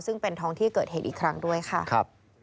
ซึ่งเป็นท้องที่เกิดเหตุอีกครั้งด้วยค่ะ